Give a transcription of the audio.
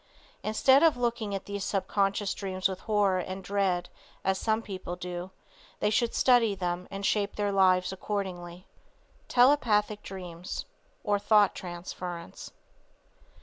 Instead of looking at these subconscious dreams with horror and dread as some people do they should study them and shape their lives accordingly. TELEPATHIC DREAMS OR THOUGH TRANSFERENCE.